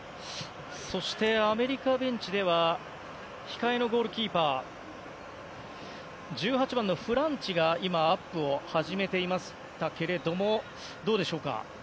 そして、アメリカベンチでは控えのゴールキーパー１８番のフランチが今、アップを始めていましたけれどもどうでしょうか。